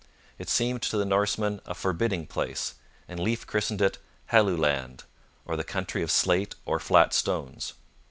It seemed to the Norsemen a forbidding place, and Leif christened it Helluland, or the country of slate or flat stones.